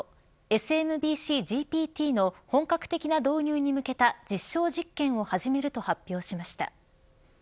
ＳＭＢＣ−ＧＰＴの本格的な導入に向けた実証実験を始めると発表しました。